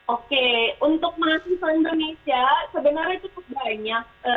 oke untuk masing masing indonesia sebenarnya cukup banyak